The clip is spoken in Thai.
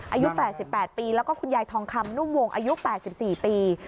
อายุ๘๘ปีแล้วก็คุณยายทองคำนุ่มวงอายุ๘๔ปี